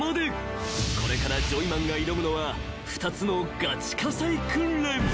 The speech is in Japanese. ［これからジョイマンが挑むのは２つのがち火災訓練］